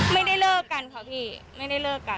ไม่ได้เลิกกันค่ะพี่ไม่ได้เลิกกัน